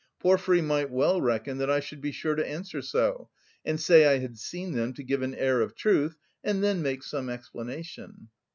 Porfiry might well reckon that I should be sure to answer so, and say I had seen them to give an air of truth, and then make some explanation."